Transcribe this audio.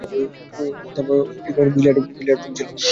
লাইব্রেরিতে একটি billiard room ছিল।